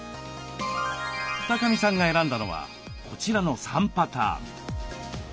二神さんが選んだのはこちらの３パターン。